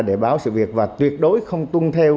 để báo sự việc và tuyệt đối không tuân theo